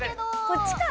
こっちか。